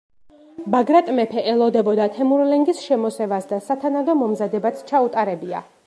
ბაგრატ მეფე ელოდებოდა თემურლენგის შემოსევას და სათანადო მომზადებაც ჩაუტარებია.